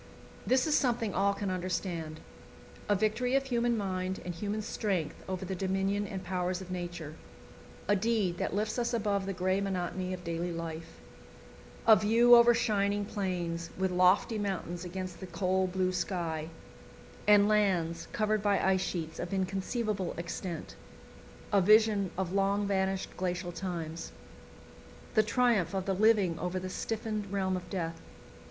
This is something all can understand. A victory of human mind and human strength over the dominion and powers of Nature; a deed that lifts us above the grey monotony of daily life; a view over shining plains, with lofty mountains against the cold blue sky, and lands covered by ice sheets of inconceivable extent; a vision of long vanished glacial times; the triumph of the living over the stiffened realm of death.